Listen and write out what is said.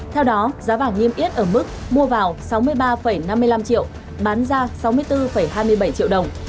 theo đó giá vàng niêm yết ở mức mua vào sáu mươi ba năm mươi năm triệu bán ra sáu mươi bốn hai mươi bảy triệu đồng